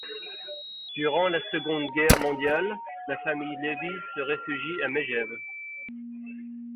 Durant la Seconde Guerre mondiale, la famille Lévy se réfugie à Megève.